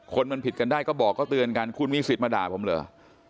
คนมันผิดกันได้ก็บอกก็เตือนกันคุณมีสิทธิ์มาด่าผมเหรอ